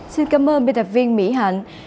xin cảm ơn biên tập viên mỹ hạnh